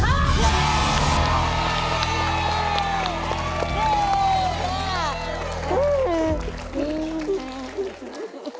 ถูกครับ